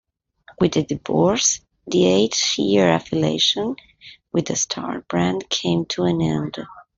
With the divorce, the eight-year affiliation with the 'Star' brand came to an end.